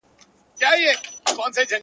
د سترگو د ملا خاوند دی